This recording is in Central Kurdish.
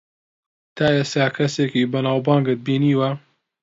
تا ئێستا کەسێکی بەناوبانگت بینیوە؟